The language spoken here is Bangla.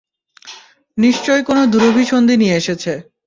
নিশ্চয় কোন দূরভিসন্ধি নিয়ে এসেছে।